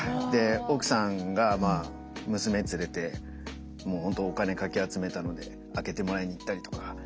で奥さんがまあ娘連れてもうほんとお金かき集めたので開けてもらいに行ったりとか。